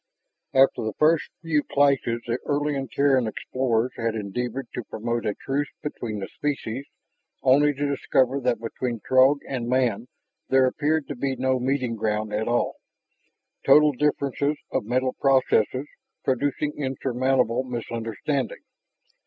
After the first few clashes the early Terran explorers had endeavored to promote a truce between the species, only to discover that between Throg and man there appeared to be no meeting ground at all total differences of mental processes producing insurmountable misunderstanding.